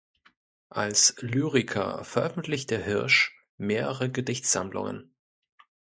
Als Lyriker, veröffentlichte Hirsch mehrere Gedichtsammlungen.